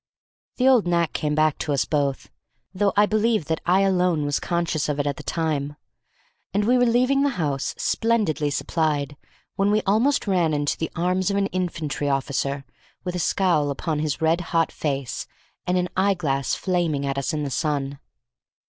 The old knack came back to us both, though I believe that I alone was conscious of it at the time; and we were leaving the house, splendidly supplied, when we almost ran into the arms of an infantry officer, with a scowl upon his red hot face, and an eye glass flaming at us in the sun.